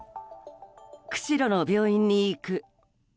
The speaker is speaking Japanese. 釧路の病院に行く。